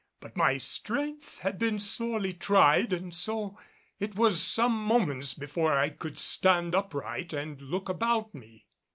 But my strength had been sorely tried and so it was some moments before I could stand upright and look about me.